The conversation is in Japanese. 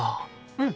うん！